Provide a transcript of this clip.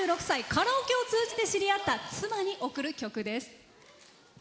カラオケを通じて知り合った妻に贈る曲です。